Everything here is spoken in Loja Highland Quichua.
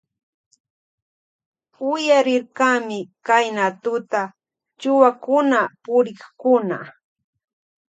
Uyarirkami Kayna tuta chuwakuna purikkuna.